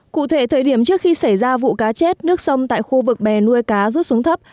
cụ thể thời điểm trước khi xảy ra vụ cá chết nước sông tại khu vực bè nuôi cá rút xuống thấp